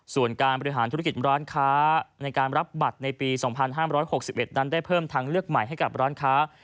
ส่วนการบริหารธุรกิจร้านค้าในการรับบัตรในปี๒๕๖๑นั้นได้เพิ่มทางเลือกใหม่ให้กับร้านค้า